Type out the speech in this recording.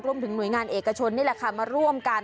ร่วมถึงหน่วยงานเอกชนมาร่วมกัน